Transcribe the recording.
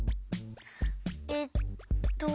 えっと。